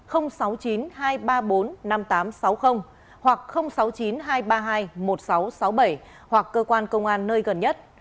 hoặc sáu mươi chín hai trăm ba mươi hai một nghìn sáu trăm sáu mươi bảy hoặc cơ quan công an nơi gần nhất